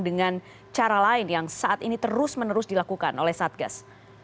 dengan cara lain yang saat ini terus menerus dilakukan oleh satgas